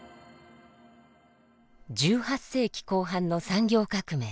１８世紀後半の産業革命。